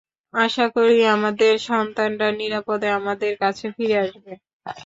আশা করি, আমাদের সন্তানরা নিরাপদে আমাদের কাছে ফিরে আসবে।